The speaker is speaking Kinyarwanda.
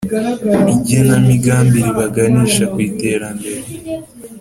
igenamigambi ribaganisha ku iterambere.